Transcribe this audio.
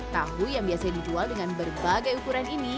tahu yang biasa dijual dengan berbagai ukuran ini